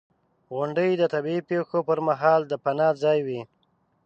• غونډۍ د طبعي پېښو پر مهال د پناه ځای وي.